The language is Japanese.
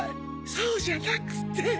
そうじゃなくて。